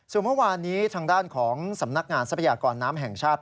ส่วนเมื่อวานนี้ทางด้านของสำนักงานทรัพยากรน้ำแห่งชาติ